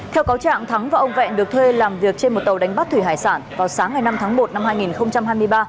theo cáo trạng thắng và ông vẹn được thuê làm việc trên một tàu đánh bắt thủy hải sản vào sáng ngày năm tháng một năm hai nghìn hai mươi ba